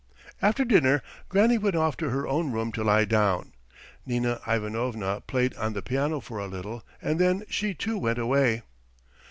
After dinner Granny went off to her own room to lie down. Nina Ivanovna played on the piano for a little, and then she too went away.